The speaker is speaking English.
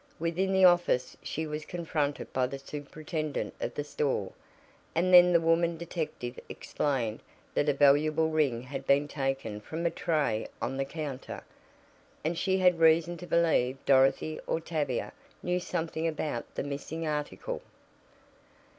Within the office she was confronted by the superintendent of the store, and then the woman detective explained that a valuable ring had been taken from a tray on the counter, and she had reason to believe Dorothy or Tavia knew something about the missing article.